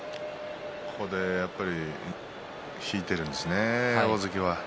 ここで引いているんですね大関は。